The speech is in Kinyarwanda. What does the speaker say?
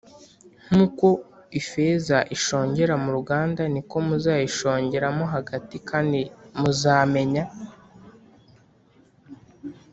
Nk’uko ifeza ishongera mu ruganda ni ko muzayishongeramo hagati, kandi muzamenya